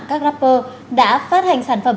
các rapper đã phát hành sản phẩm